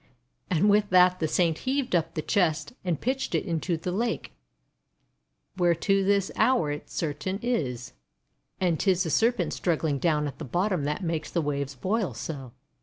And with that the Saint heaved up the chest, and pitched it right into the lake, where to this hour it certain is. And 't is the Serpent strug gling down at the bottom that makes the waves boil so.